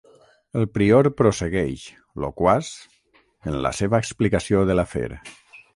El prior prossegueix, loquaç, en la seva explicació de l'afer.